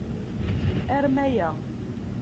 Arem aya.